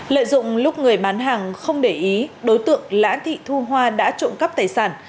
lợi dụng lúc người bán hàng không để ý đối tượng lã thị thu hoa đã trộm cắp tài sản